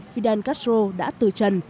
fidel castro đã từ trần